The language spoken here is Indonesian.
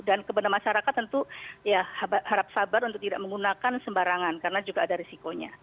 dan kebenar masyarakat tentu ya harap sabar untuk tidak menggunakan sembarangan karena juga ada risikonya